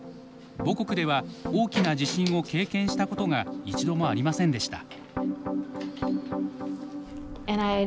母国では大きな地震を経験したことが一度もありませんでした。